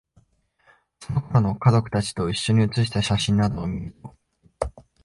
その頃の、家族達と一緒に写した写真などを見ると、